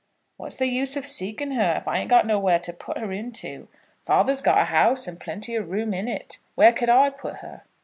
"What's the use of seeking her if I ain't got nowhere to put her into. Father's got a house and plenty of room in it. Where could I put her?"